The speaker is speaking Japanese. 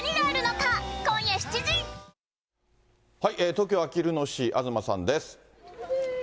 東京・あきる野市、東さんです。